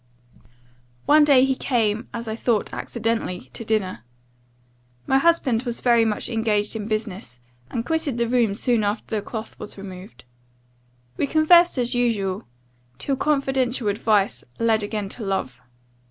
"One day he came, as I thought accidentally, to dinner. My husband was very much engaged in business, and quitted the room soon after the cloth was removed. We conversed as usual, till confidential advice led again to love.